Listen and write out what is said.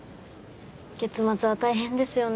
月末は大変ですよね。